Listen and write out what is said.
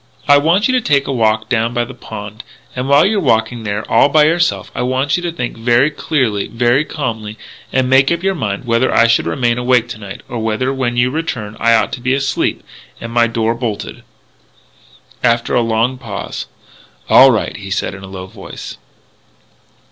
"I want you to take a walk down by the pond. And while you're walking there all by yourself, I want you to think very clearly, very calmly, and make up your mind whether I should remain awake to night, or whether, when you return, I ought to be asleep and and my door bolted." After a long pause: "All right," he said in a low voice.